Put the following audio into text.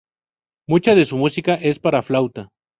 Mucha de su música es para flauta.